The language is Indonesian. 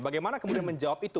bagaimana kemudian menjawab itu